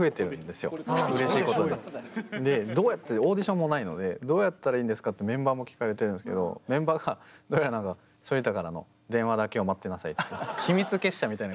でどうやってオーディションもないのでどうやったらいいんですか？ってメンバーも聞かれてるんですけどメンバーがどうやらなんか秘密結社みたいな。